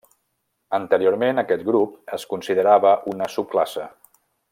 Anteriorment aquest grup es considerava una subclasse.